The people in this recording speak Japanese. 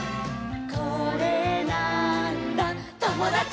「これなーんだ『ともだち！』」